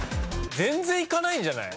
全然行かないんじゃない？